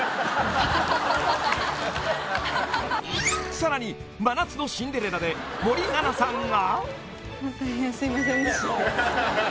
［さらに『真夏のシンデレラ』で森七菜さんが］